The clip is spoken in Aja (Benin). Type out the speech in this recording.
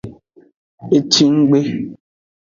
Ecinggbe.